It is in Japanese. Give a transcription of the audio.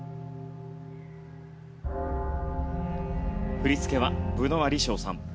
振り付けはブノワ・リショーさん。